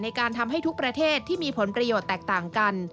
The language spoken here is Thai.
ทำให้ทุกประเทศที่มีผลประโยชน์แตกต่างกัน